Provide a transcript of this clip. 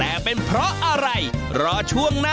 อืมอย่าคาดหวัง